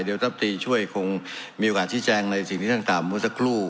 เดี๋ยวสักทีช่วยคงมีโอกาสที่แจ้งในสิ่งที่ท่านตามสักครู่